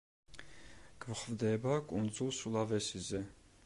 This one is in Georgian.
გვხვდება კუნძულ სულავესიზე.